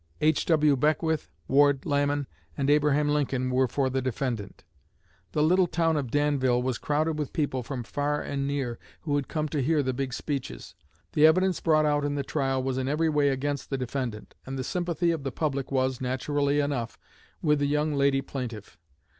H.W. Beckwith, Ward Lamon, and Abraham Lincoln were for the defendant. The little town of Danville was crowded with people from far and near who had come to hear the big speeches. The evidence brought out in the trial was in every way against the defendant, and the sympathy of the public was, naturally enough, with the young lady plaintiff.